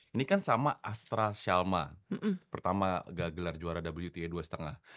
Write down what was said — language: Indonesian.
ini kan sama astra shalma pertama gagelar juara wta dua lima